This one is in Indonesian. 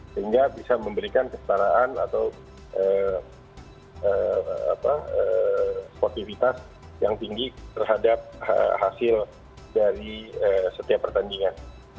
sehingga bisa memberikan kesetaraan atau sportivitas yang tinggi terhadap hasil dari setiap pertandingan